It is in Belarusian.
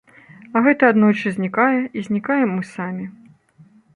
А гэта аднойчы знікае, і знікаем мы самі.